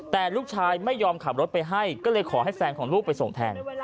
แต่ลูกชายไม่ยอมขับรถไปให้ก็เลยขอให้แฟนของลูกไปส่งแทน